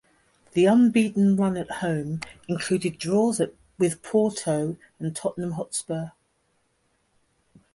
The unbeaten run at home included draws with Porto and Tottenham Hotspur.